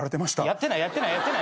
やってないやってない。